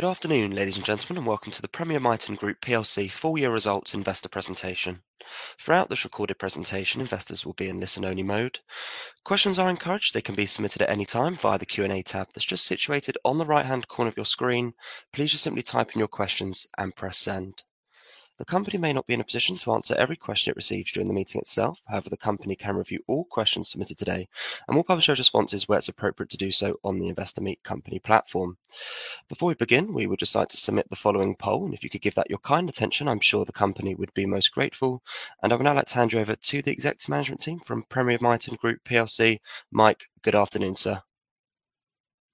Good afternoon, ladies and gentlemen, and welcome to the Premier Miton Group plc full year results investor presentation. Throughout this recorded presentation, investors will be in listen-only mode. Questions are encouraged. They can be submitted at any time via the Q&A tab that's just situated on the right-hand corner of your screen. Please just simply type in your questions and press Send. The company may not be in a position to answer every question it receives during the meeting itself. However, the company can review all questions submitted today and will publish our responses where it's appropriate to do so on the Investor Meet Company platform. Before we begin, we would just like to submit the following poll, and if you could give that your kind attention, I'm sure the company would be most grateful. I would now like to hand you over to the executive management team from Premier Miton Group plc. Mike, good afternoon, sir.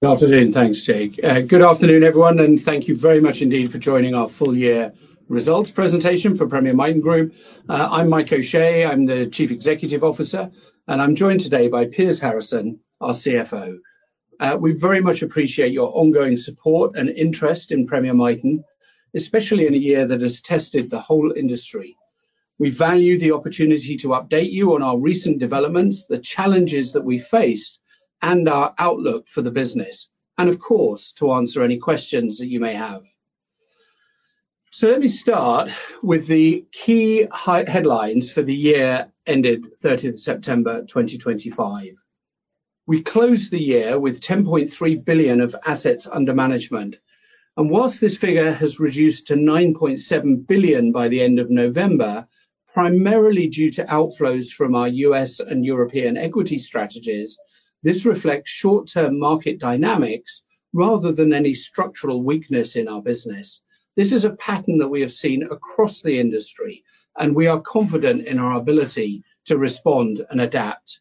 Good afternoon. Thanks, Jake. Good afternoon, everyone, and thank you very much indeed for joining our full year results presentation for Premier Miton Group. I'm Mike O'Shea. I'm the Chief Executive Officer, and I'm joined today by Piers Harrison, our CFO. We very much appreciate your ongoing support and interest in Premier Miton, especially in a year that has tested the whole industry. We value the opportunity to update you on our recent developments, the challenges that we faced, and our outlook for the business and, of course, to answer any questions that you may have. Let me start with the key headlines for the year ended 13th September 2025. We closed the year with 10.3 billion of assets under management, and while this figure has reduced to 9.7 billion by the end of November, primarily due to outflows from our U.S. and European equity strategies, this reflects short-term market dynamics rather than any structural weakness in our business. This is a pattern that we have seen across the industry, and we are confident in our ability to respond and adapt.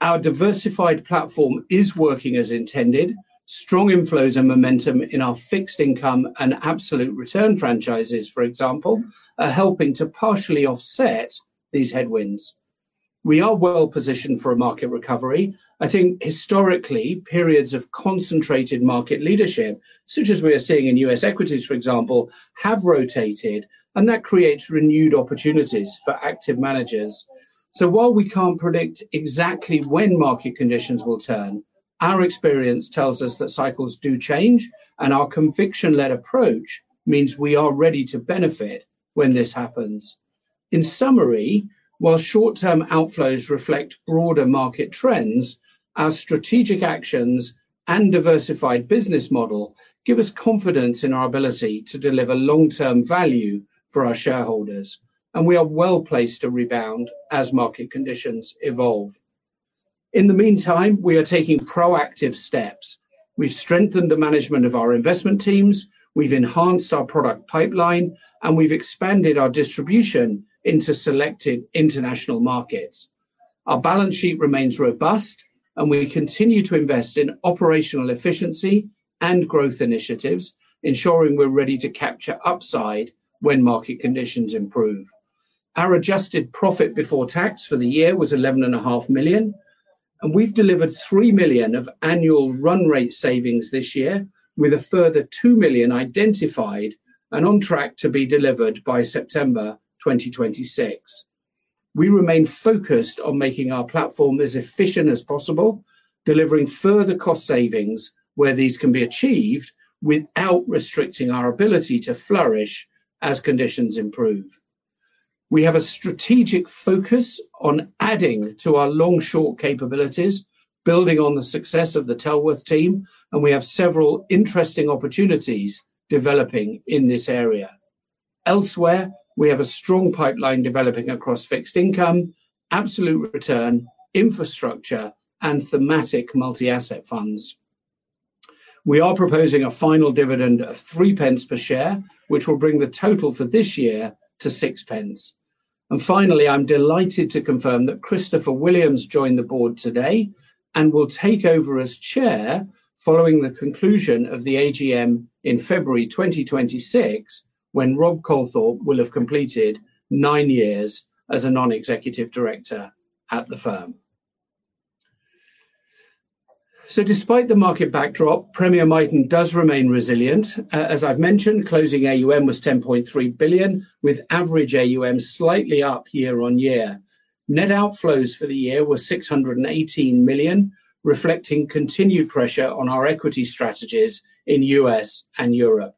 Our diversified platform is working as intended. Strong inflows and momentum in our fixed income and absolute return franchises, for example, are helping to partially offset these headwinds. We are well positioned for a market recovery. I think historically, periods of concentrated market leadership, such as we are seeing in U.S. equities, for example, have rotated, and that creates renewed opportunities for active managers. While we can't predict exactly when market conditions will turn, our experience tells us that cycles do change, and our conviction-led approach means we are ready to benefit when this happens. In summary, while short-term outflows reflect broader market trends, our strategic actions and diversified business model give us confidence in our ability to deliver long-term value for our shareholders, and we are well-placed to rebound as market conditions evolve. In the meantime, we are taking proactive steps. We've strengthened the management of our investment teams. We've enhanced our product pipeline, and we've expanded our distribution into selected international markets. Our balance sheet remains robust, and we continue to invest in operational efficiency and growth initiatives, ensuring we're ready to capture upside when market conditions improve. Our adjusted profit before tax for the year was 11.5 million, and we've delivered 3 million of annual run rate savings this year, with a further 2 million identified and on track to be delivered by September 2026. We remain focused on making our platform as efficient as possible, delivering further cost savings where these can be achieved without restricting our ability to flourish as conditions improve. We have a strategic focus on adding to our long-short capabilities, building on the success of the Tellworth team, and we have several interesting opportunities developing in this area. Elsewhere, we have a strong pipeline developing across fixed income, absolute return, infrastructure, and thematic multi-asset funds. We are proposing a final dividend of 0.03 per share, which will bring the total for this year to 0.06. Finally, I'm delighted to confirm that Christopher Williams joined the board today and will take over as Chair following the conclusion of the AGM in February 2026 when Rob Colthorpe will have completed nine years as a Non-Executive Director at the firm. Despite the market backdrop, Premier Miton does remain resilient. As I've mentioned, closing AUM was 10.3 billion, with average AUM slightly up year-over-year. Net outflows for the year were 618 million, reflecting continued pressure on our equity strategies in U.S. and Europe.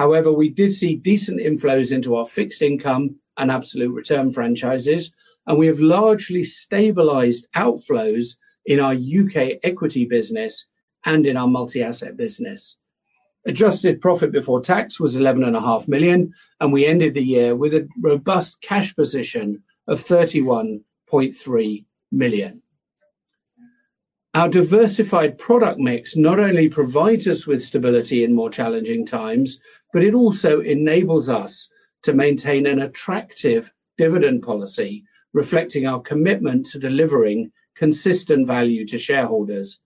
However, we did see decent inflows into our fixed income and absolute return franchises, and we have largely stabilized outflows in our U.K. equity business and in our multi-asset business. Adjusted profit before tax was 11.5 million, and we ended the year with a robust cash position of 31.3 million. Our diversified product mix not only provides us with stability in more challenging times, but it also enables us to maintain an attractive dividend policy reflecting our commitment to delivering consistent value to shareholders.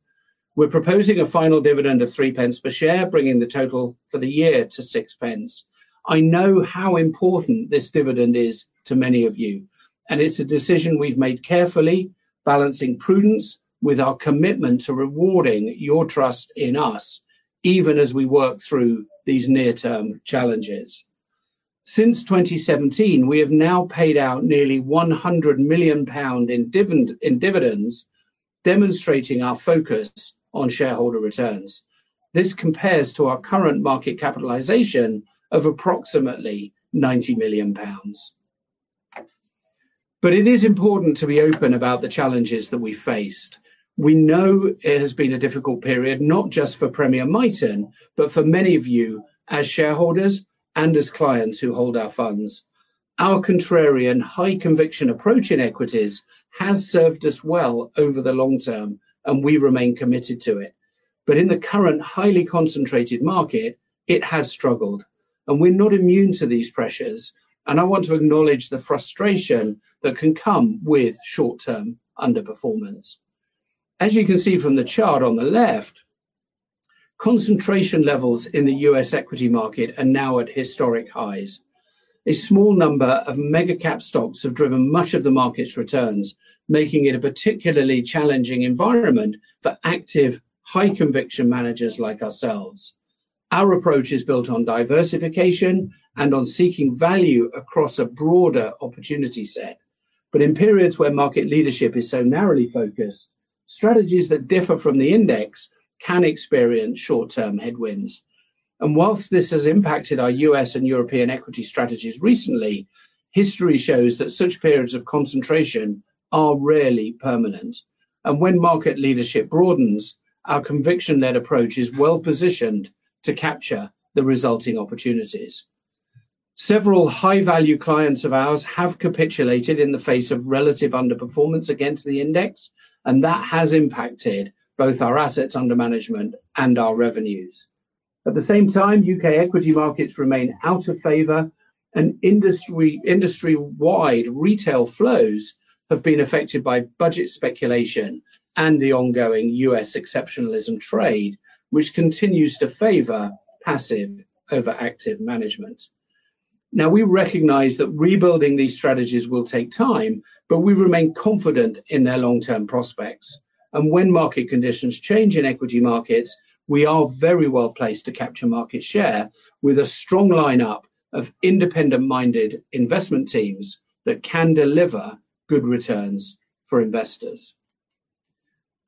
We're proposing a final dividend of 0.03 per share, bringing the total for the year to 0.06. I know how important this dividend is to many of you, and it's a decision we've made carefully, balancing prudence with our commitment to rewarding your trust in us even as we work through these near-term challenges. Since 2017, we have now paid out nearly 100 million pound in dividends, demonstrating our focus on shareholder returns. This compares to our current market capitalization of approximately 90 million pounds. It is important to be open about the challenges that we faced. We know it has been a difficult period, not just for Premier Miton, but for many of you as shareholders and as clients who hold our funds. Our contrarian high conviction approach in equities has served us well over the long term, and we remain committed to it. In the current highly concentrated market, it has struggled, and we're not immune to these pressures, and I want to acknowledge the frustration that can come with short-term underperformance. As you can see from the chart on the left, concentration levels in the U.S. equity market are now at historic highs. A small number of mega cap stocks have driven much of the market's returns, making it a particularly challenging environment for active high conviction managers like ourselves. Our approach is built on diversification and on seeking value across a broader opportunity set. In periods where market leadership is so narrowly focused, strategies that differ from the index can experience short-term headwinds. While this has impacted our U.S. and European equity strategies recently, history shows that such periods of concentration are rarely permanent. When market leadership broadens, our conviction-led approach is well-positioned to capture the resulting opportunities. Several high-value clients of ours have capitulated in the face of relative underperformance against the index, and that has impacted both our assets under management and our revenues. At the same time, U.K. equity markets remain out of favor and industry-wide retail flows have been affected by budget speculation and the ongoing U.S. exceptionalism trade, which continues to favor passive over active management. Now, we recognize that rebuilding these strategies will take time, but we remain confident in their long-term prospects. When market conditions change in equity markets, we are very well-placed to capture market share with a strong lineup of independent-minded investment teams that can deliver good returns for investors.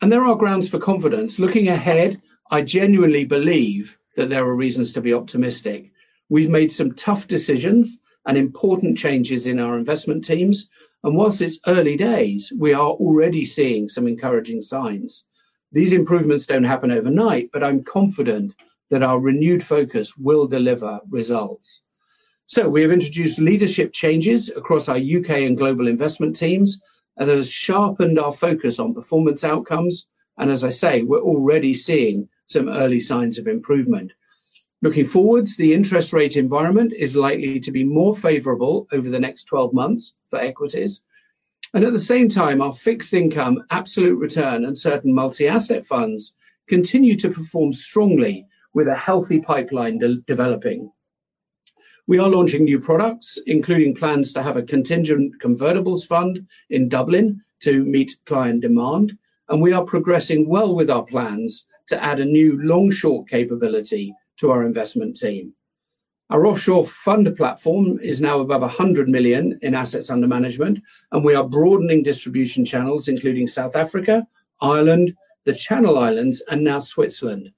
There are grounds for confidence. Looking ahead, I genuinely believe that there are reasons to be optimistic. We've made some tough decisions and important changes in our investment teams. Whilst it's early days, we are already seeing some encouraging signs. These improvements don't happen overnight, but I'm confident that our renewed focus will deliver results. We have introduced leadership changes across our U.K. and global investment teams, and that has sharpened our focus on performance outcomes. As I say, we're already seeing some early signs of improvement. Looking forwards, the interest rate environment is likely to be more favorable over the next 12 months for equities. At the same time, our fixed income, absolute return and certain multi-asset funds continue to perform strongly with a healthy pipeline developing. We are launching new products, including plans to have a contingent convertibles fund in Dublin to meet client demand, and we are progressing well with our plans to add a new long-short capability to our investment team. Our offshore fund platform is now above 100 million in assets under management, and we are broadening distribution channels, including South Africa, Ireland, the Channel Islands, and now Switzerland.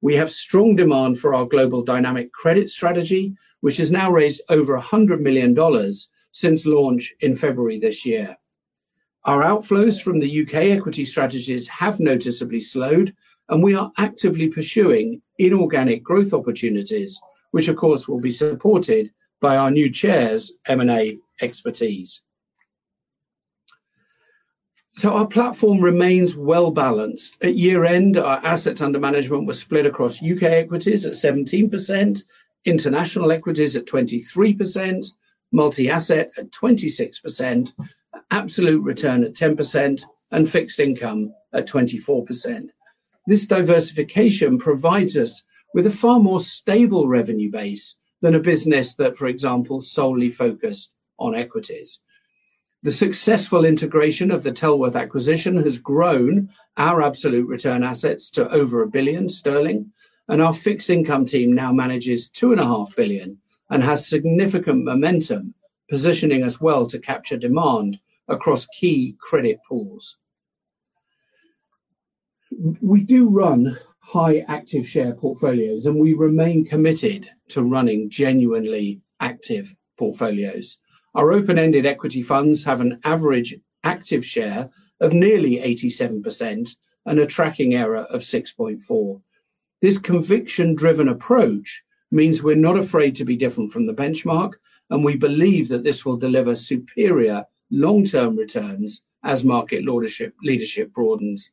We have strong demand for our Global Dynamic Credit Fund, which has now raised over $100 million since launch in February this year. Our outflows from the U.K. equity strategies have noticeably slowed, and we are actively pursuing inorganic growth opportunities, which of course will be supported by our new Chair's M&A expertise. Our platform remains well-balanced. At year-end, our assets under management were split across U.K. equities at 17%, international equities at 23%, multi-asset at 26%, absolute return at 10%, and fixed income at 24%. This diversification provides us with a far more stable revenue base than a business that, for example, solely focused on equities. The successful integration of the Tellworth acquisition has grown our absolute return assets to over 1 billion sterling, and our fixed income team now manages 2.5 billion and has significant momentum, positioning us well to capture demand across key credit pools. We do run high active share portfolios, and we remain committed to running genuinely active portfolios. Our open-ended equity funds have an average active share of nearly 87% and a tracking error of 6.4. This conviction-driven approach means we're not afraid to be different from the benchmark, and we believe that this will deliver superior long-term returns as market leadership broadens.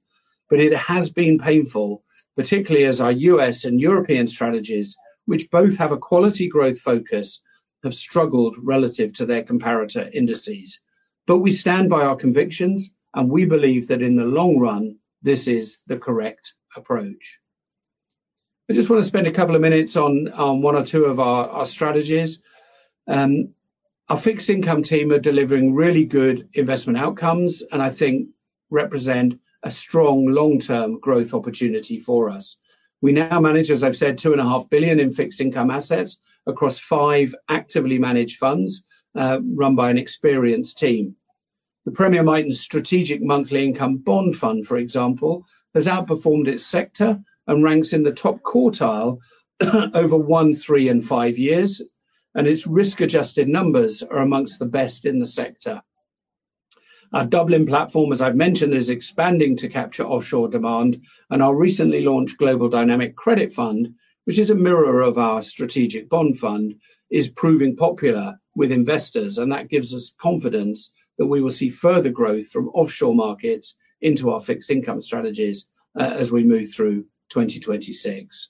It has been painful, particularly as our U.S. and European strategies, which both have a quality growth focus, have struggled relative to their comparator indices. We stand by our convictions, and we believe that in the long run, this is the correct approach. I just wanna spend a couple of minutes on one or two of our strategies. Our fixed income team are delivering really good investment outcomes, and I think represent a strong long-term growth opportunity for us. We now manage, as I've said, 2.5 billion in fixed income assets across five actively managed funds, run by an experienced team. The Premier Miton Strategic Monthly Income Bond Fund, for example, has outperformed its sector and ranks in the top quartile over one, three, and five years, and its risk-adjusted numbers are among the best in the sector. Our Dublin platform, as I've mentioned, is expanding to capture offshore demand, and our recently launched Global Dynamic Credit Fund, which is a mirror of our strategic bond fund, is proving popular with investors, and that gives us confidence that we will see further growth from offshore markets into our fixed income strategies as we move through 2026.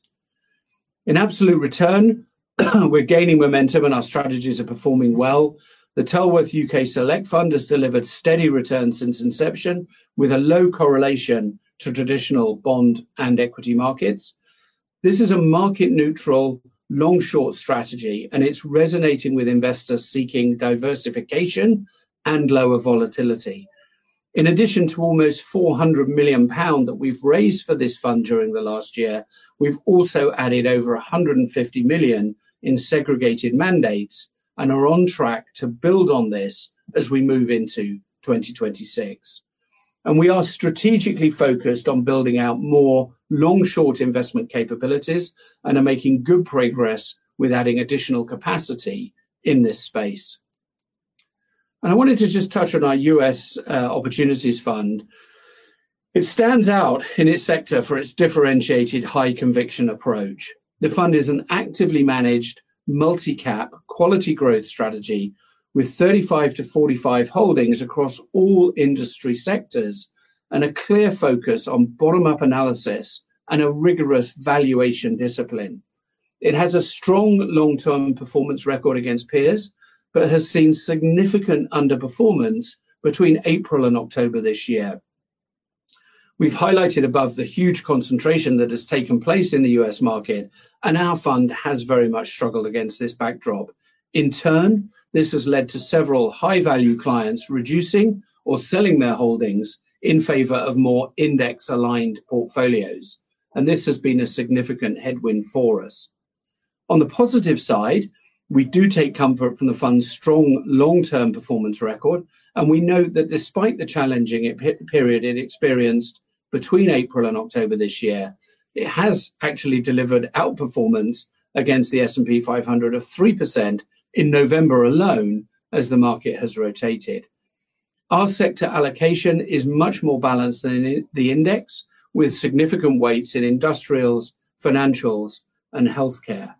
In absolute return, we're gaining momentum and our strategies are performing well. The Tellworth U.K. Select Fund has delivered steady returns since inception, with a low correlation to traditional bond and equity markets. This is a market-neutral long-short strategy, and it's resonating with investors seeking diversification and lower volatility. In addition to almost 400 million pound that we've raised for this fund during the last year, we've also added over 150 million in segregated mandates and are on track to build on this as we move into 2026. We are strategically focused on building out more long-short investment capabilities and are making good progress with adding additional capacity in this space. I wanted to just touch on our U.S. Opportunities Fund. It stands out in its sector for its differentiated high conviction approach. The fund is an actively managed multi-cap quality growth strategy with 35-45 holdings across all industry sectors and a clear focus on bottom-up analysis and a rigorous valuation discipline. It has a strong long-term performance record against peers, but has seen significant underperformance between April and October this year. We've highlighted above the huge concentration that has taken place in the U.S. market, and our fund has very much struggled against this backdrop. In turn, this has led to several high-value clients reducing or selling their holdings in favor of more index-aligned portfolios, and this has been a significant headwind for us. On the positive side, we do take comfort from the fund's strong long-term performance record, and we know that despite the challenging period it experienced between April and October this year, it has actually delivered outperformance against the S&P 500 of 3% in November alone as the market has rotated. Our sector allocation is much more balanced than in the index, with significant weights in industrials, financials and healthcare.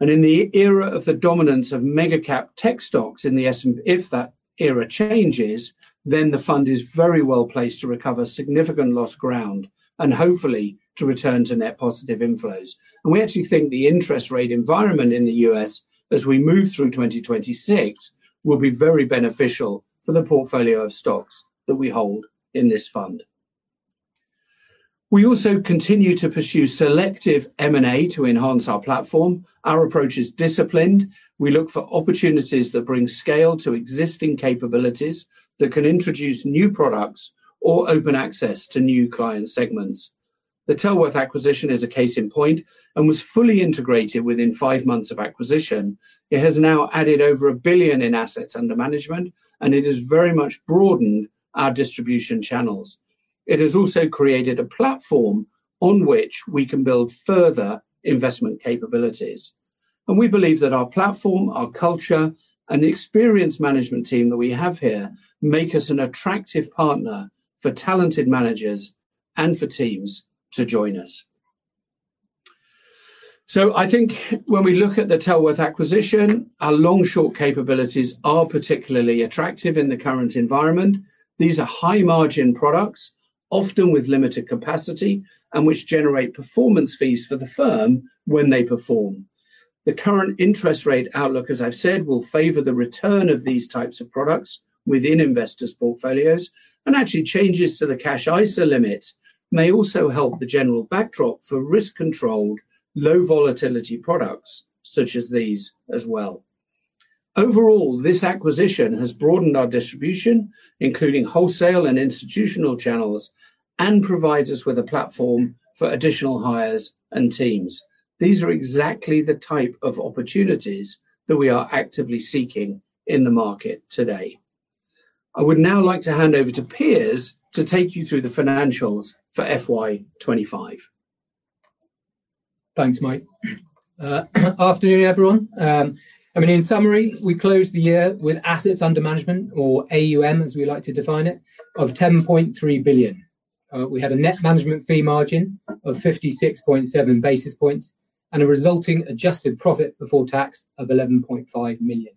In the era of the dominance of mega cap tech stocks in the S&P, if that era changes, then the fund is very well-placed to recover significant lost ground and hopefully to return to net positive inflows. We actually think the interest rate environment in the U.S. as we move through 2026 will be very beneficial for the portfolio of stocks that we hold in this fund. We also continue to pursue selective M&A to enhance our platform. Our approach is disciplined. We look for opportunities that bring scale to existing capabilities, that can introduce new products or open access to new client segments. The Tellworth acquisition is a case in point and was fully integrated within five months of acquisition. It has now added over 1 billion in assets under management, and it has very much broadened our distribution channels. It has also created a platform on which we can build further investment capabilities. We believe that our platform, our culture, and the experienced management team that we have here make us an attractive partner for talented managers and for teams to join us. I think when we look at the Tellworth acquisition, our long-short capabilities are particularly attractive in the current environment. These are high-margin products, often with limited capacity and which generate performance fees for the firm when they perform. The current interest rate outlook, as I've said, will favor the return of these types of products within investors' portfolios, and actually changes to the cash ISA limit may also help the general backdrop for risk-controlled, low volatility products such as these as well. Overall, this acquisition has broadened our distribution, including wholesale and institutional channels, and provides us with a platform for additional hires and teams. These are exactly the type of opportunities that we are actively seeking in the market today. I would now like to hand over to Piers to take you through the financials for FY 2025. Thanks, Mike. Afternoon, everyone. I mean, in summary, we closed the year with Assets Under Management, or AUM, as we like to define it, of 10.3 billion. We had a net management fee margin of 56.7 basis points and a resulting adjusted profit before tax of 11.5 million.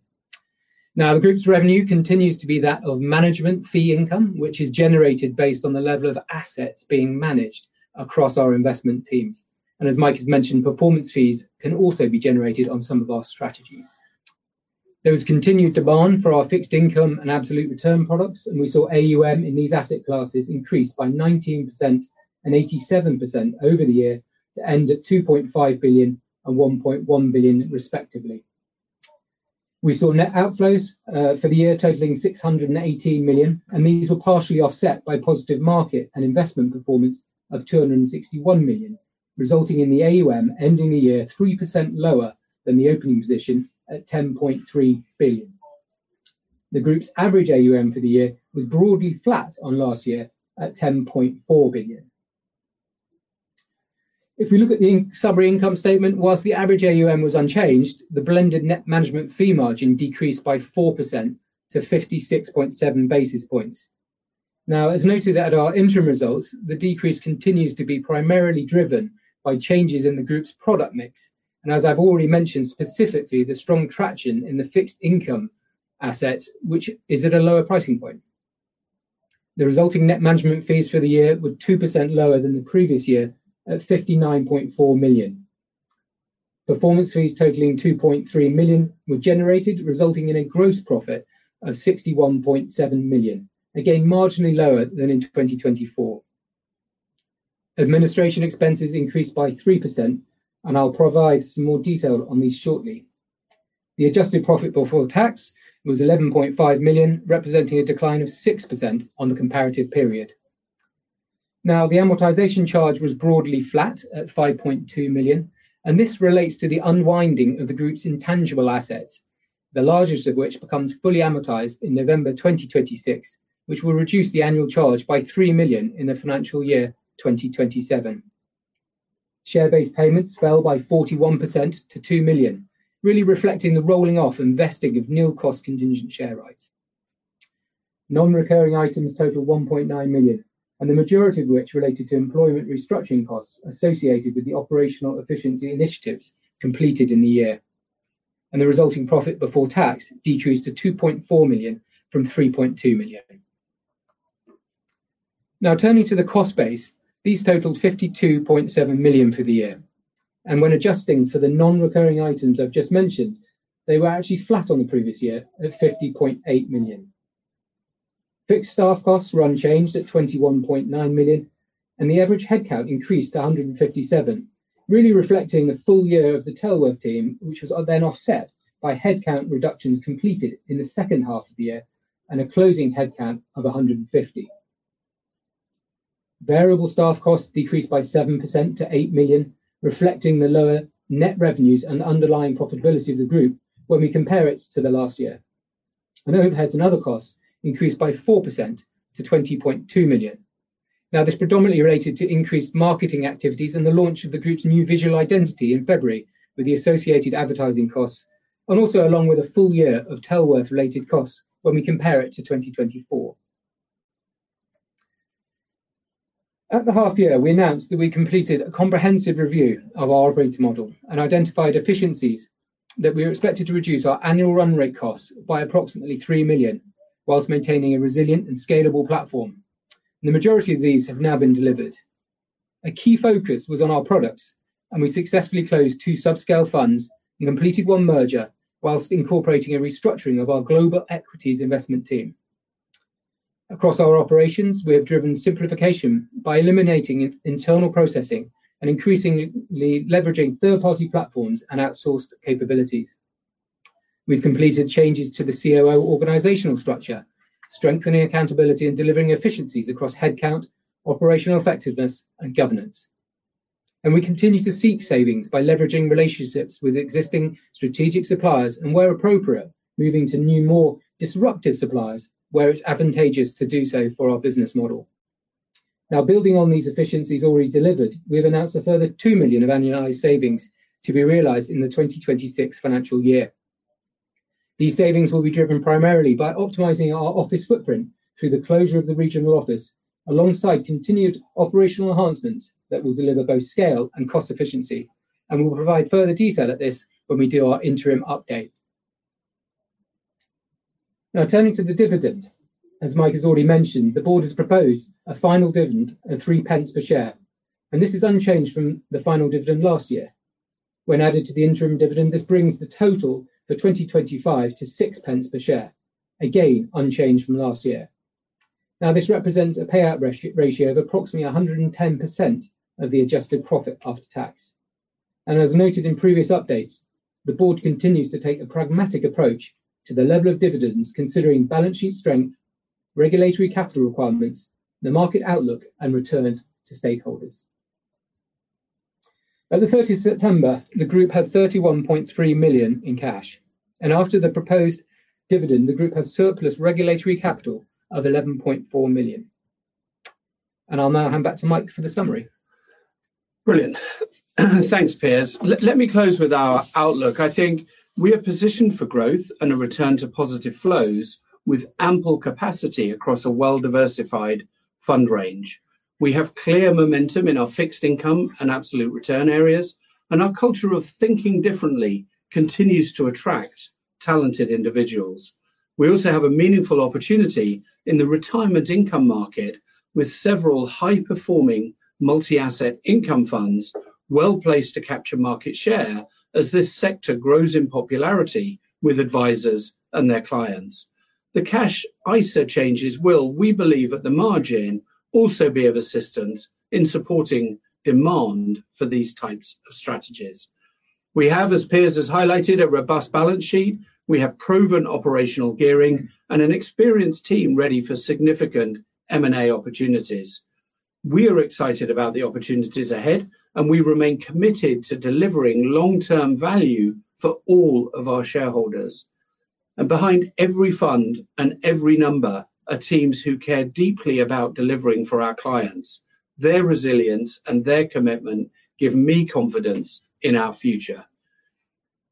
Now, the group's revenue continues to be that of management fee income, which is generated based on the level of assets being managed across our investment teams. As Mike has mentioned, performance fees can also be generated on some of our strategies. There was continued demand for our fixed income and absolute return products, and we saw AUM in these asset classes increase by 19% and 87% over the year to end at 2.5 billion and 1.1 billion respectively. We saw net outflows for the year totaling 618 million, and these were partially offset by positive market and investment performance of 261 million, resulting in the AUM ending the year 3% lower than the opening position at 10.3 billion. The group's average AUM for the year was broadly flat on last year at 10.4 billion. If we look at the summary income statement, while the average AUM was unchanged, the blended net management fee margin decreased by 4% to 56.7 basis points. Now, as noted at our interim results, the decrease continues to be primarily driven by changes in the group's product mix and as I've already mentioned, specifically, the strong traction in the fixed income assets, which is at a lower pricing point. The resulting net management fees for the year were 2% lower than the previous year at 59.4 million. Performance fees totaling 2.3 million were generated, resulting in a gross profit of 61.7 million, again, marginally lower than in 2024. Administration expenses increased by 3%, and I'll provide some more detail on these shortly. The adjusted profit before tax was 11.5 million, representing a decline of 6% on the comparative period. Now, the amortization charge was broadly flat at 5.2 million, and this relates to the unwinding of the group's intangible assets, the largest of which becomes fully amortized in November 2026, which will reduce the annual charge by 3 million in the financial year 2027. Share-based payments fell by 41% to 2 million, really reflecting the rolling off and vesting of nil cost contingent share rights. Non-recurring items total 1.9 million, and the majority of which related to employment restructuring costs associated with the operational efficiency initiatives completed in the year. The resulting profit before tax decreased to 2.4 million from 3.2 million. Now turning to the cost base, these totaled 52.7 million for the year. When adjusting for the non-recurring items I've just mentioned, they were actually flat on the previous year at 50.8 million. Fixed staff costs were unchanged at 21.9 million, and the average headcount increased to 157, really reflecting the full year of the Tellworth team, which was then offset by headcount reductions completed in the second half of the year and a closing headcount of 150. Variable staff costs decreased by 7% to 8 million, reflecting the lower net revenues and underlying profitability of the group when we compare it to the last year. Overheads and other costs increased by 4% to 20.2 million. Now, this predominantly related to increased marketing activities and the launch of the group's new visual identity in February with the associated advertising costs and also along with a full year of Tellworth related costs when we compare it to 2024. At the half year, we announced that we completed a comprehensive review of our operating model and identified efficiencies that are expected to reduce our annual run rate costs by approximately 3 million whilst maintaining a resilient and scalable platform. The majority of these have now been delivered. A key focus was on our products, and we successfully closed two subscale funds and completed one merger whilst incorporating a restructuring of our global equities investment team. Across our operations, we have driven simplification by eliminating internal processing and increasingly leveraging third-party platforms and outsourced capabilities. We've completed changes to the COO organizational structure, strengthening accountability and delivering efficiencies across headcount, operational effectiveness and governance. We continue to seek savings by leveraging relationships with existing strategic suppliers and, where appropriate, moving to new, more disruptive suppliers where it's advantageous to do so for our business model. Now, building on these efficiencies already delivered, we've announced a further 2 million of annualized savings to be realized in the 2026 financial year. These savings will be driven primarily by optimizing our office footprint through the closure of the regional office, alongside continued operational enhancements that will deliver both scale and cost efficiency. We'll provide further detail at this when we do our interim update. Now, turning to the dividend, as Mike has already mentioned, the board has proposed a final dividend of 0.03 per share, and this is unchanged from the final dividend last year. When added to the interim dividend, this brings the total for 2025 to 0.06 per share, again, unchanged from last year. Now, this represents a payout ratio of approximately 110% of the adjusted profit after tax. As noted in previous updates, the board continues to take a pragmatic approach to the level of dividends, considering balance sheet strength, regulatory capital requirements, the market outlook and returns to stakeholders. At the 30th September, the group had 31.3 million in cash, and after the proposed dividend, the group has surplus regulatory capital of 11.4 million. I'll now hand back to Mike for the summary. Brilliant. Thanks, Piers. Let me close with our outlook. I think we are positioned for growth and a return to positive flows with ample capacity across a well-diversified fund range. We have clear momentum in our fixed income and absolute return areas, and our culture of thinking differently continues to attract talented individuals. We also have a meaningful opportunity in the retirement income market with several high-performing multi-asset income funds well-placed to capture market share as this sector grows in popularity with advisors and their clients. The cash ISA changes will, we believe, at the margin, also be of assistance in supporting demand for these types of strategies. We have, as Piers has highlighted, a robust balance sheet. We have proven operational gearing and an experienced team ready for significant M&A opportunities. We are excited about the opportunities ahead, and we remain committed to delivering long-term value for all of our shareholders. Behind every fund and every number are teams who care deeply about delivering for our clients. Their resilience and their commitment give me confidence in our future.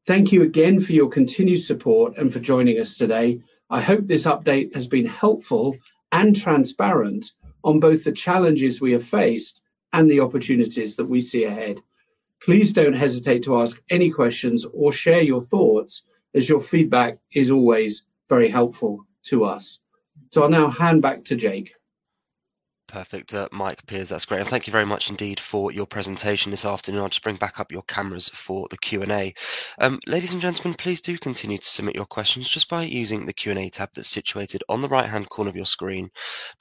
Thank you again for your continued support and for joining us today. I hope this update has been helpful and transparent on both the challenges we have faced and the opportunities that we see ahead. Please don't hesitate to ask any questions or share your thoughts as your feedback is always very helpful to us. I'll now hand back to Jake. Perfect, Mike, Piers, that's great. Thank you very much indeed for your presentation this afternoon. I'll just bring back up your cameras for the Q&A. Ladies and gentlemen, please do continue to submit your questions just by using the Q&A tab that's situated on the right-hand corner of your screen.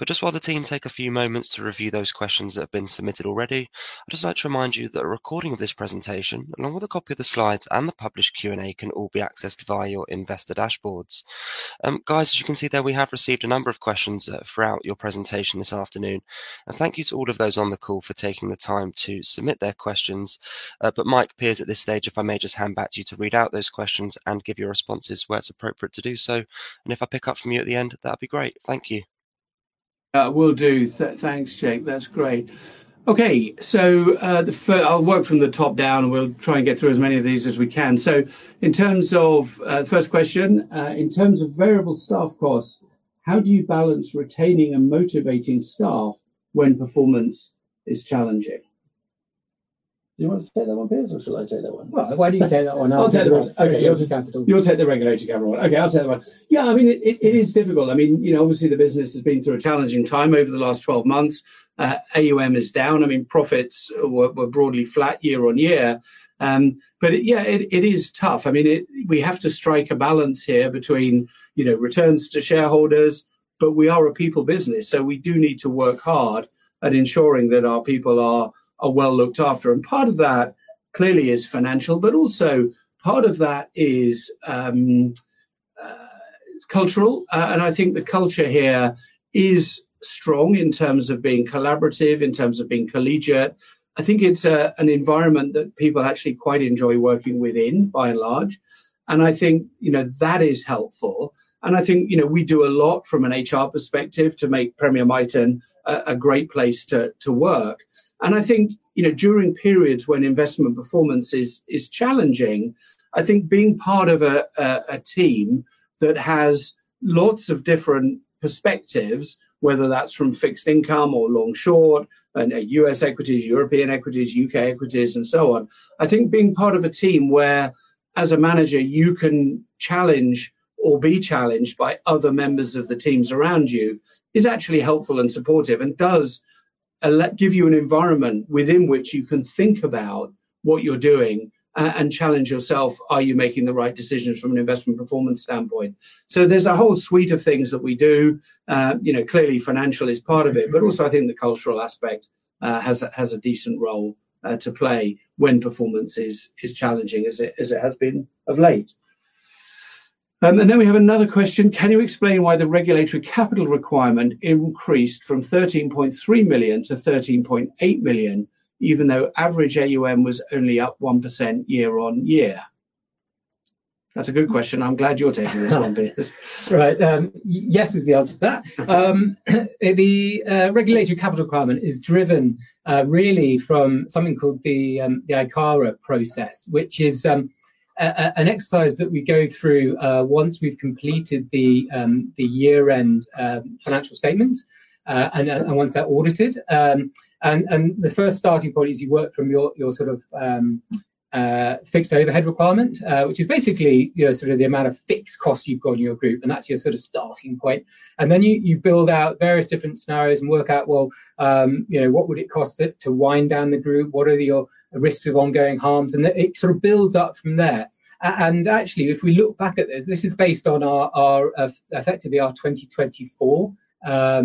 Just while the team take a few moments to review those questions that have been submitted already, I'd just like to remind you that a recording of this presentation, along with a copy of the slides and the published Q&A, can all be accessed via your investor dashboards. Guys, as you can see there, we have received a number of questions throughout your presentation this afternoon. Thank you to all of those on the call for taking the time to submit their questions. Mike, Piers, at this stage, if I may just hand back to you to read out those questions and give your responses where it's appropriate to do so. If I pick up from you at the end, that'd be great. Thank you. Will do. Thanks, Jake. That's great. Okay. I'll work from the top down, and we'll try and get through as many of these as we can. The first question in terms of variable staff costs, how do you balance retaining and motivating staff when performance is challenging? Do you want to take that one, Piers, or shall I take that one? Well, why don't you take that one and I'll take the next one. I'll take the. Okay, you take the capital one. You'll take the regulatory capital one. Okay, I'll take that one. Yeah, I mean, it is difficult. I mean, you know, obviously the business has been through a challenging time over the last 12 months. AUM is down. I mean, profits were broadly flat year-on-year. Yeah, it is tough. I mean, we have to strike a balance here between, you know, returns to shareholders, but we are a people business, so we do need to work hard at ensuring that our people are well looked after. Part of that clearly is financial, but also part of that is cultural. I think the culture here is strong in terms of being collaborative, in terms of being collegiate. I think it's an environment that people actually quite enjoy working within by and large. I think, you know, that is helpful. I think, you know, we do a lot from an HR perspective to make Premier Miton a great place to work. I think, you know, during periods when investment performance is challenging, I think being part of a team that has lots of different perspectives, whether that's from fixed income or long-short and U.S. equities, European equities, U.K. equities and so on, I think being part of a team where as a manager you can challenge or be challenged by other members of the teams around you is actually helpful and supportive and does a lot give you an environment within which you can think about what you're doing and challenge yourself, are you making the right decisions from an investment performance standpoint. There's a whole suite of things that we do. You know, clearly financial is part of it. Mm-hmm. I think the cultural aspect has a decent role to play when performance is challenging as it has been of late. We have another question. Can you explain why the regulatory capital requirement increased from 13.3 million to 13.8 million, even though average AUM was only up 1% year-over-year? That's a good question. I'm glad you're taking this one, Piers. Right. Yes is the answer to that. The regulatory capital requirement is driven really from something called the ICAAP process, which is an exercise that we go through once we've completed the year-end financial statements and once they're audited. The first starting point is you work from your sort of fixed overhead requirement, which is basically, you know, sort of the amount of fixed cost you've got in your group, and that's your sort of starting point. Then you build out various different scenarios and work out, well, you know, what would it cost to wind down the group? What are your risks of ongoing harms? Then it sort of builds up from there. Actually, if we look back at this is based on our effectively our 2024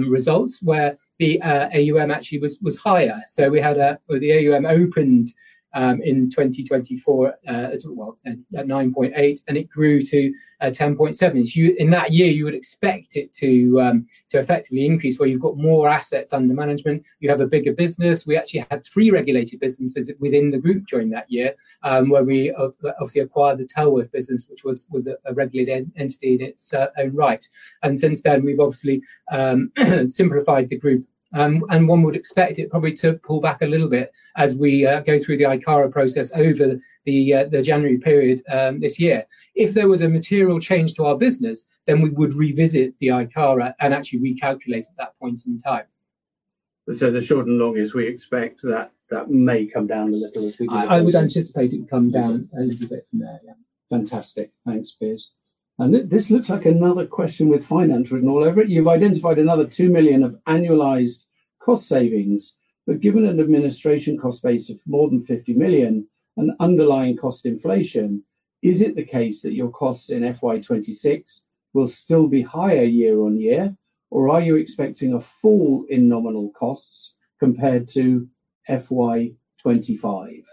results, where the AUM actually was higher. The AUM opened in 2024 at, well, at 9.8 billion, and it grew to 10.7 billion. In that year you would expect it to effectively increase, where you've got more assets under management, you have a bigger business. We actually had three regulated businesses within the group during that year, where we obviously acquired the Tellworth business, which was a regulated entity in its own right. Since then we've obviously simplified the group. One would expect it probably to pull back a little bit as we go through the ICAAP process over the January period this year. If there was a material change to our business, then we would revisit the ICAAP and actually recalculate at that point in time. The short and long is we expect that may come down a little as we go forward. I would anticipate it would come down. Mm-hmm. A little bit from there, yeah. Fantastic. Thanks, Piers. This looks like another question with finance written all over it. You've identified another 2 million of annualized cost savings, but given an administration cost base of more than 50 million and underlying cost inflation, is it the case that your costs in FY 2026 will still be higher year-on-year? or are you expecting a fall in nominal costs compared to FY 2025?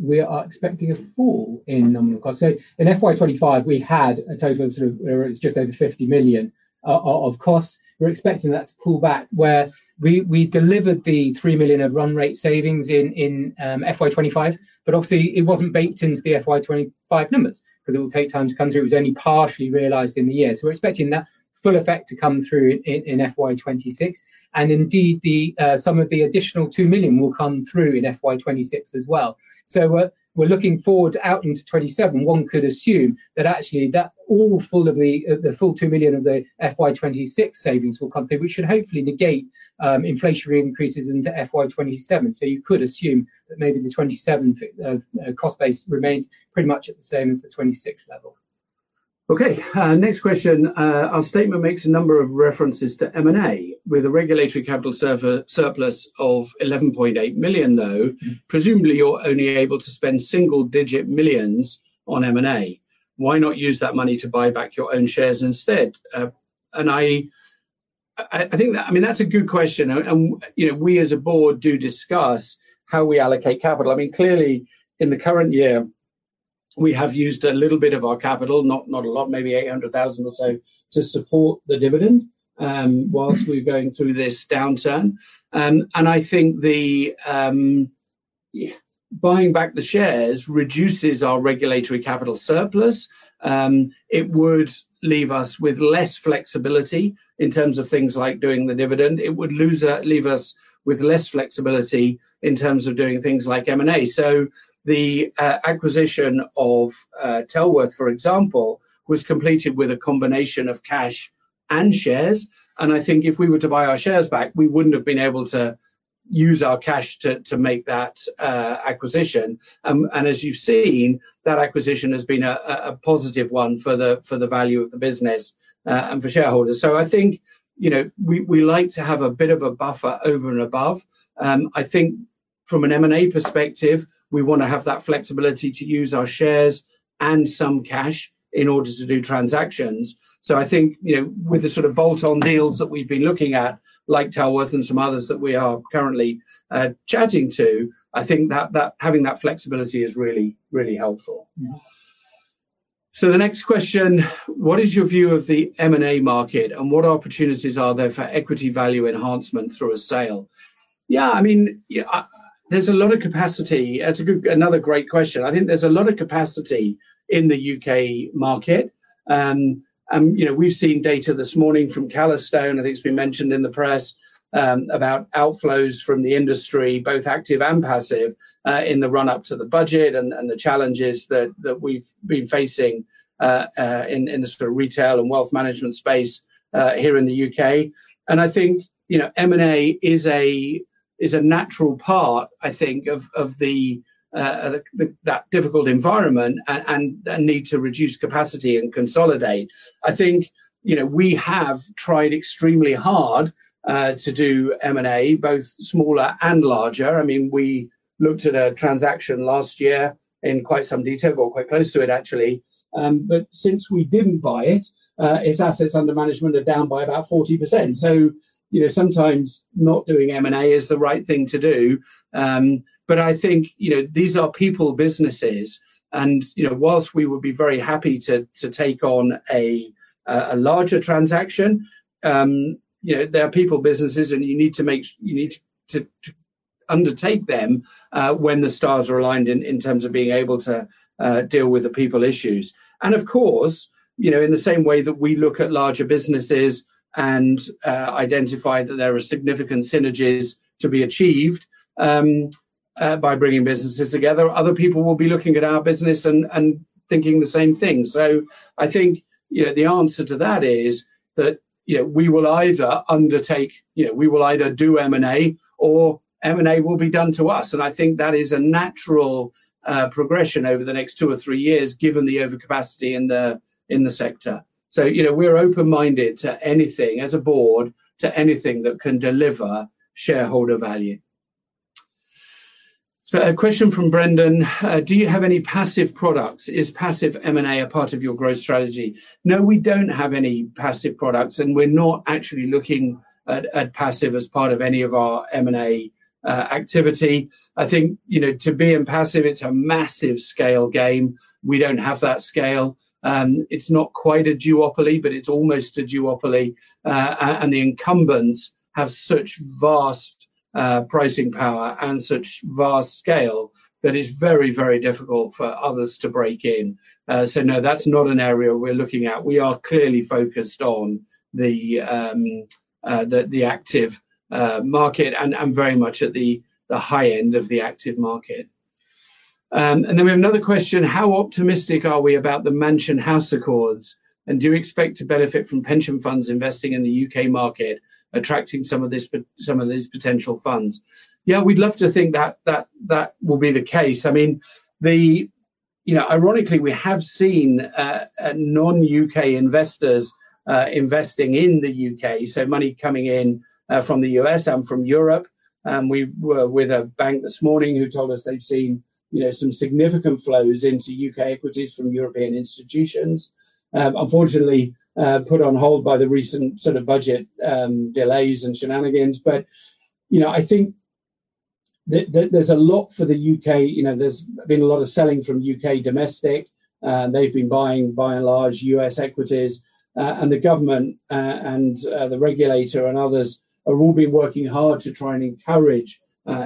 We are expecting a fall in nominal costs. In FY 2025 we had a total of sort of, it was just over 50 million of costs. We're expecting that to pull back where we delivered the 3 million of run rate savings in FY 2025, but obviously it wasn't baked into the FY 2025 numbers because it will take time to come through. It was only partially realized in the year. We're expecting that full effect to come through in FY 2026. Indeed the some of the additional 2 million will come through in FY 2026 as well. We're looking forward out into 2027. One could assume that actually that all of the full 2 million of the FY 2026 savings will come through, which should hopefully negate inflationary increases into FY 2027. You could assume that maybe the FY 2027 cost base remains pretty much at the same as the FY 2026 level. Okay. Next question. Our statement makes a number of references to M&A with a regulatory capital surplus of 11.8 million, though. Presumably you're only able to spend GBP single-digit millions on M&A. Why not use that money to buy back your own shares instead? I think that's a good question. I mean, you know, we as a board do discuss how we allocate capital. I mean, clearly in the current year we have used a little bit of our capital, not a lot, maybe 800,000 or so, to support the dividend, while we're going through this downturn. I think buying back the shares reduces our regulatory capital surplus. It would leave us with less flexibility in terms of things like doing the dividend. It would leave us with less flexibility in terms of doing things like M&A. The acquisition of Tellworth, for example, was completed with a combination of cash and shares. I think if we were to buy our shares back, we wouldn't have been able to use our cash to make that acquisition. As you've seen, that acquisition has been a positive one for the value of the business and for shareholders. I think you know we like to have a bit of a buffer over and above. I think from an M&A perspective, we wanna have that flexibility to use our shares and some cash in order to do transactions. I think, you know, with the sort of bolt-on deals that we've been looking at, like Tellworth and some others that we are currently chatting to, I think that having that flexibility is really, really helpful. Yeah. The next question, what is your view of the M&A market and what opportunities are there for equity value enhancement through a sale? I mean, there's a lot of capacity. Another great question. I think there's a lot of capacity in the U.K. market. You know, we've seen data this morning from Calastone, I think it's been mentioned in the press, about outflows from the industry, both active and passive, in the run-up to the budget and the challenges that we've been facing, in the sort of retail and wealth management space, here in the U.K. I think, you know, M&A is a natural part, I think of that difficult environment and a need to reduce capacity and consolidate. I think, you know, we have tried extremely hard to do M&A, both smaller and larger. I mean, we looked at a transaction last year in quite some detail, well, quite close to it actually. Since we didn't buy it, its assets under management are down by about 40%. You know, sometimes not doing M&A is the right thing to do. I think, you know, these are people businesses and, you know, whilst we would be very happy to take on a larger transaction, you know, they are people businesses and you need to undertake them when the stars are aligned in terms of being able to deal with the people issues. Of course, you know, in the same way that we look at larger businesses and identify that there are significant synergies to be achieved by bringing businesses together, other people will be looking at our business and thinking the same thing. I think, you know, the answer to that is that, you know, we will either do M&A or M&A will be done to us. I think that is a natural progression over the next two or three years, given the overcapacity in the sector. You know, we're open-minded to anything as a board, to anything that can deliver shareholder value. A question from Brendan, do you have any passive products? Is passive M&A a part of your growth strategy? No, we don't have any passive products, and we're not actually looking at passive as part of any of our M&A activity. I think, you know, to be in passive, it's a massive scale game. We don't have that scale. It's not quite a duopoly, but it's almost a duopoly. And the incumbents have such vast pricing power and such vast scale that it's very, very difficult for others to break in. So no, that's not an area we're looking at. We are clearly focused on the active market and very much at the high end of the active market. And then we have another question. How optimistic are we about the Mansion House Accord, and do you expect to benefit from pension funds investing in the U.K. market, attracting some of these potential funds? Yeah, we'd love to think that will be the case. I mean, you know, ironically, we have seen non-U.K. investors investing in the U.K., so money coming in from the U.S. and from Europe. We were with a bank this morning who told us they've seen, you know, some significant flows into U.K. equities from European institutions, unfortunately put on hold by the recent sort of budget delays and shenanigans. You know, I think there's a lot for the U.K. You know, there's been a lot of selling from U.K. domestic. They've been buying, by and large, U.S. equities. The government and the regulator and others have all been working hard to try and encourage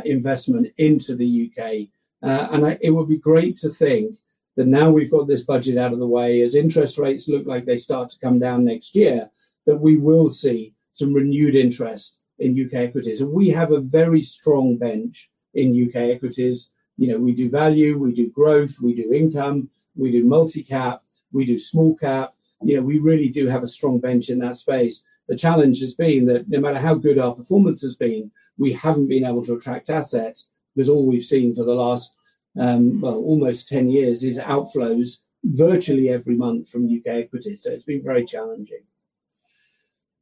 investment into the U.K. It would be great to think that now we've got this budget out of the way, as interest rates look like they start to come down next year, that we will see some renewed interest in U.K. equities. We have a very strong bench in U.K. equities. You know, we do value, we do growth, we do income, we do multi-cap, we do small cap. You know, we really do have a strong bench in that space. The challenge has been that no matter how good our performance has been, we haven't been able to attract assets, because all we've seen for the last almost 10 years is outflows virtually every month from U.K. equities, so it's been very challenging.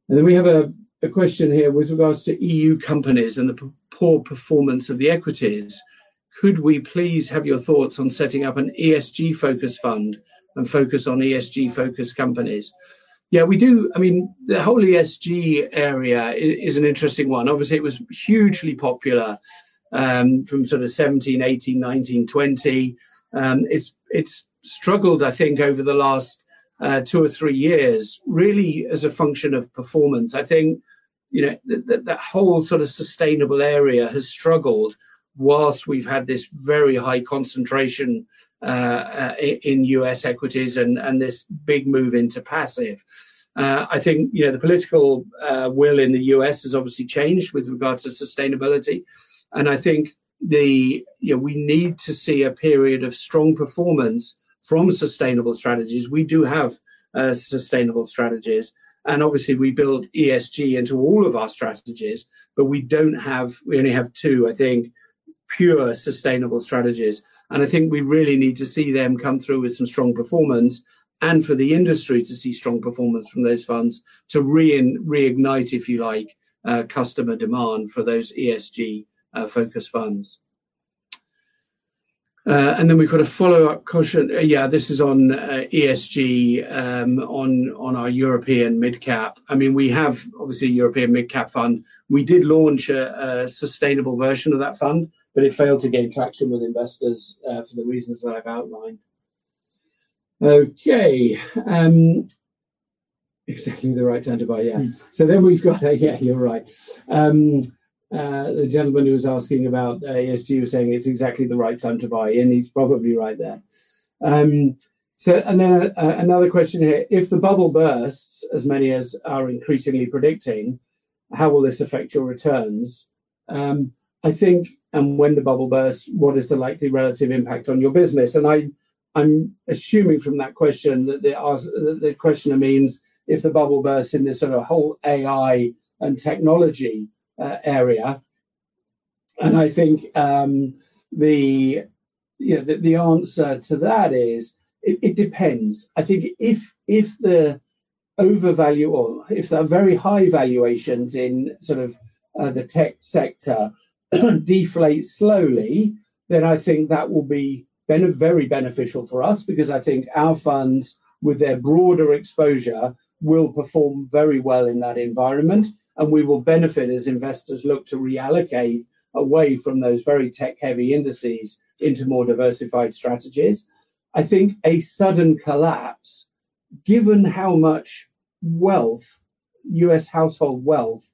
Then we have a question here with regards to EU companies and the poor performance of the equities. Could we please have your thoughts on setting up an ESG focused fund and focus on ESG focused companies? Yeah, I mean, the whole ESG area is an interesting one. Obviously, it was hugely popular from sort of 2017, 2018, 2019, 2020. It's struggled, I think, over the last two or three years, really as a function of performance. I think, you know, that whole sort of sustainable area has struggled whilst we've had this very high concentration in U.S. equities and this big move into passive. I think, you know, the political will in the U.S. has obviously changed with regards to sustainability, and I think the- You know, we need to see a period of strong performance from sustainable strategies. We do have sustainable strategies, and obviously we build ESG into all of our strategies, but we don't have we only have two, I think, pure sustainable strategies. I think we really need to see them come through with some strong performance and for the industry to see strong performance from those funds to re-ignite, if you like, customer demand for those ESG-focused funds. Then we've got a follow-up question. Yeah, this is on ESG, on our European midcap. I mean, we have obviously a European midcap fund. We did launch a sustainable version of that fund, but it failed to gain traction with investors for the reasons that I've outlined. Okay, exactly the right time to buy. Yeah. We've got- Yeah, you're right. The gentleman who was asking about ESG was saying it's exactly the right time to buy, and he's probably right there. Then, another question here: If the bubble bursts, as many are increasingly predicting, how will this affect your returns? When the bubble bursts, what is the likely relative impact on your business? I'm assuming from that question that the questioner means if the bubble bursts in this sort of whole AI and technology area. I think, you know, the answer to that is, it depends. I think if the overvaluation or if the very high valuations in sort of the tech sector deflate slowly, then I think that will be very beneficial for us because I think our funds, with their broader exposure, will perform very well in that environment, and we will benefit as investors look to reallocate away from those very tech heavy indices into more diversified strategies. I think a sudden collapse, given how much wealth, U.S. household wealth,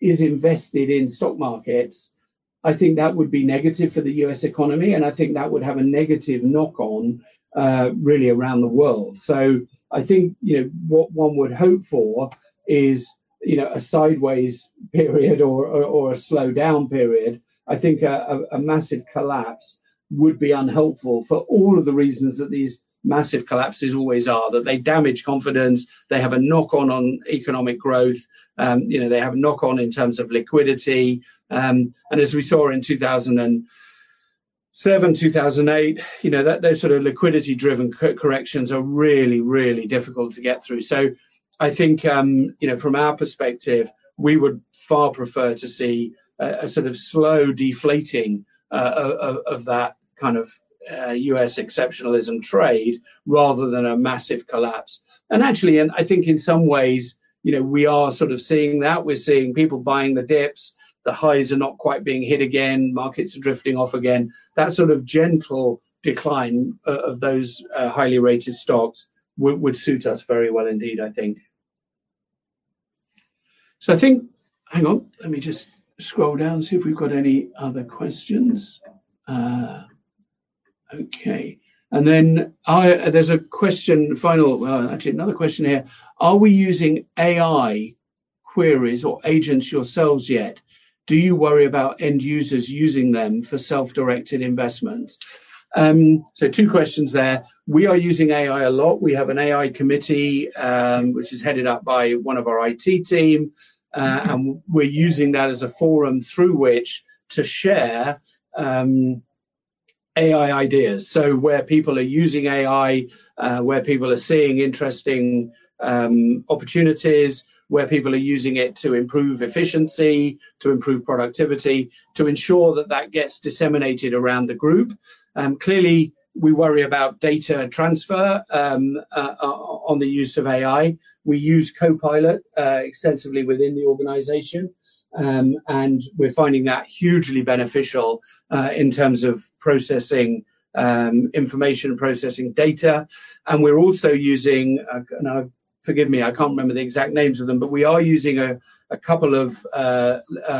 is invested in stock markets, I think that would be negative for the U.S. economy, and I think that would have a negative knock-on really around the world. I think, you know, what one would hope for is, you know, a sideways period or a slowdown period. I think a massive collapse would be unhelpful for all of the reasons that these massive collapses always are. That they damage confidence, they have a knock-on on economic growth, you know, they have a knock-on in terms of liquidity. As we saw in 2007, 2008, you know, that, those sort of liquidity driven corrections are really difficult to get through. I think, you know, from our perspective, we would far prefer to see a sort of slow deflating of that kind of U.S. exceptionalism trade rather than a massive collapse. Actually, I think in some ways, you know, we are sort of seeing that. We're seeing people buying the dips. The highs are not quite being hit again. Markets are drifting off again. That sort of gentle decline of those highly rated stocks would suit us very well indeed, I think. I think. Hang on. Let me just scroll down and see if we've got any other questions. Okay. Then there's another question here: Are we using AI queries or agents yourselves yet? Do you worry about end users using them for self-directed investments? Two questions there. We are using AI a lot. We have an AI committee, which is headed up by one of our IT team. We're using that as a forum through which to share AI ideas. Where people are using AI, where people are seeing interesting opportunities, where people are using it to improve efficiency, to improve productivity, to ensure that gets disseminated around the group. Clearly we worry about data and transfer on the use of AI. We use Copilot extensively within the organization. We're finding that hugely beneficial in terms of processing information, processing data. We're also using, now forgive me, I can't remember the exact names of them, but we are using a couple of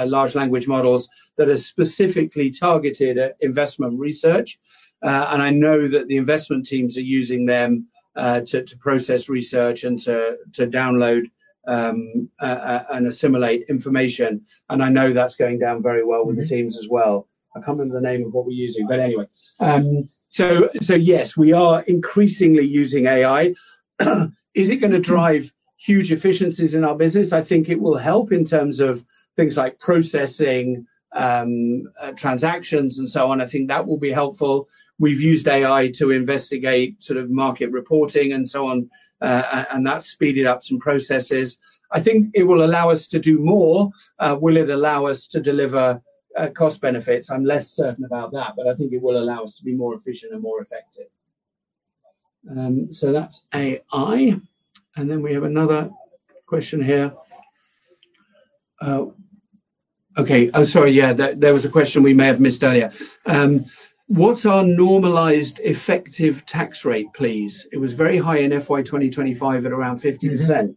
large language models that are specifically targeted at investment research. I know that the investment teams are using them to process research and to download and assimilate information. I know that's going down very well with the teams as well. I can't remember the name of what we're using, but anyway. Yes, we are increasingly using AI. Is it gonna drive huge efficiencies in our business? I think it will help in terms of things like processing, transactions and so on. I think that will be helpful. We've used AI to investigate sort of market reporting and so on, and that's speeded up some processes. I think it will allow us to do more. Will it allow us to deliver cost benefits? I'm less certain about that, but I think it will allow us to be more efficient and more effective. That's AI. We have another question here. Okay. Oh, sorry, yeah. There was a question we may have missed earlier. What's our normalized effective tax rate, please? It was very high in FY 2025 at around 50%.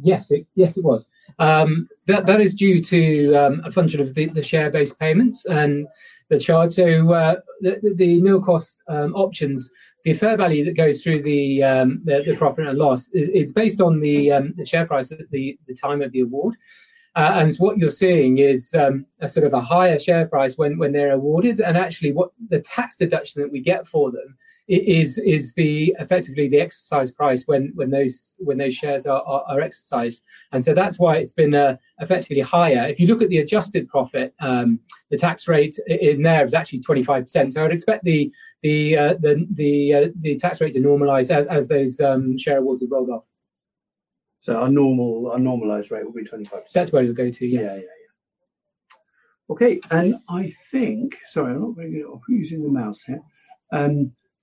Yes, it was. That is due to a function of the share-based payments and the charge to the nil cost options. The fair value that goes through the profit and loss is based on the share price at the time of the award. What you're seeing is a sort of a higher share price when they're awarded, and actually what the tax deduction that we get for them is effectively the exercise price when those shares are exercised. That's why it's been effectively higher. If you look at the adjusted profit, the tax rate in there is actually 25%. I would expect the tax rate to normalize as those share awards are rolled off. Our normalized rate will be 25%. That's where it'll go to, yes. Yeah. Okay. Sorry, I'm not really using the mouse here.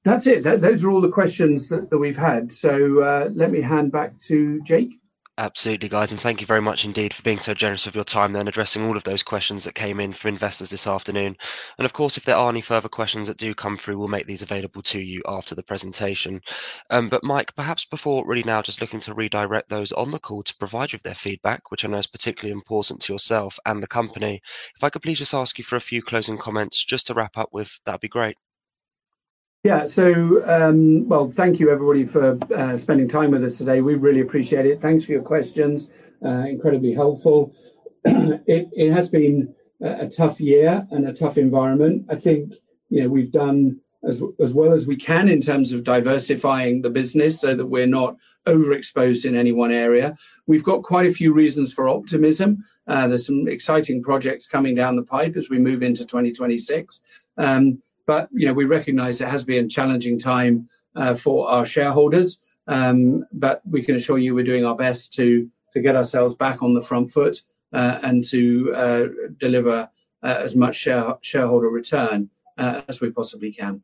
That's it. Those are all the questions that we've had. Let me hand back to Jake. Absolutely, guys, and thank you very much indeed for being so generous with your time then, addressing all of those questions that came in for investors this afternoon. Of course, if there are any further questions that do come through, we'll make these available to you after the presentation. Mike, perhaps before really now just looking to redirect those on the call to provide you with their feedback, which I know is particularly important to yourself and the company, if I could please just ask you for a few closing comments just to wrap up with, that'd be great. Thank you, everybody, for spending time with us today. We really appreciate it. Thanks for your questions. Incredibly helpful. It has been a tough year and a tough environment. I think, you know, we've done as well as we can in terms of diversifying the business so that we're not overexposed in any one area. We've got quite a few reasons for optimism. There's some exciting projects coming down the pipe as we move into 2026. You know, we recognize it has been a challenging time for our shareholders. We can assure you we're doing our best to get ourselves back on the front foot, and to deliver as much shareholder return as we possibly can.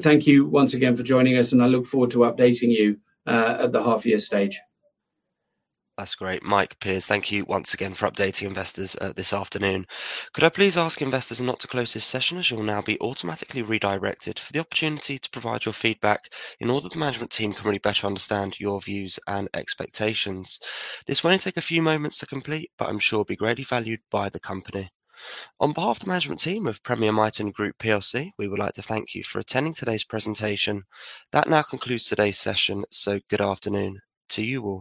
Thank you once again for joining us, and I look forward to updating you, at the half year stage. That's great. Mike, Piers, thank you once again for updating investors this afternoon. Could I please ask investors not to close this session as you will now be automatically redirected for the opportunity to provide your feedback in order that the management team can really better understand your views and expectations. This will only take a few moments to complete, but I'm sure will be greatly valued by the company. On behalf of the management team of Premier Miton Group plc, we would like to thank you for attending today's presentation. That now concludes today's session, so good afternoon to you all.